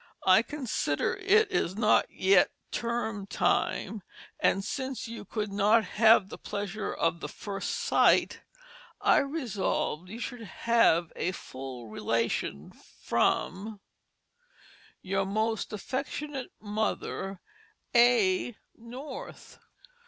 I consider it is not yett terme time and since you could not have the pleasure of the first sight, I resolved you should have a full relation from "Yo^r most aff^nate Mother "A NORTH.